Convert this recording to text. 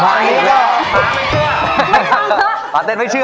สาวเต้นไม่เชื่อ